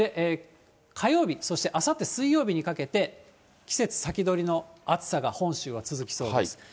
火曜日、そして、あさって水曜日にかけて、季節先取りの暑さが本州は続きそうです。